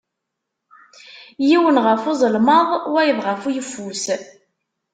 Yiwen ɣef uẓelmaḍ wayeḍ ɣef uyeffus.